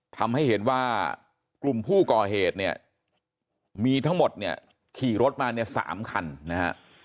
ทำให้เห็นว่ากลุ่มผู้ก่อเหตุเนี่ยมีทั้งหมดเนี่ยขี่รถมาเนี่ย๓คันนะฮะ